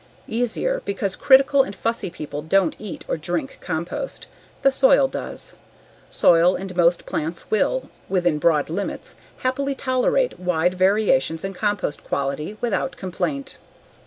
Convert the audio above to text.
Easier because critical and fussy people don't eat or drink compost, the soil does; soil and most plants will, within broad limits, happily tolerate wide variations in compost quality without complaint.